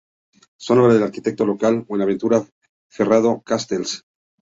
Son obra del arquitecto local Buenaventura Ferrando Castells.